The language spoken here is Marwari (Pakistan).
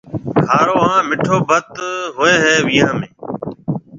کارو هانَ مِٺو ڀت هوئي هيَ ويهان ۾۔